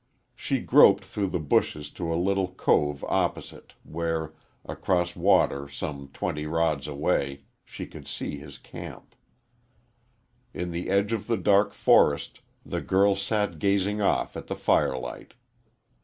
She groped through the bushes to a little cove opposite, where, across water some twenty rods away, she could see his camp. In the edge of the dark forest the girl sat gazing off at the firelight.